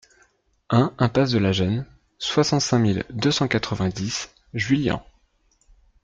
un impasse de la Geune, soixante-cinq mille deux cent quatre-vingt-dix Juillan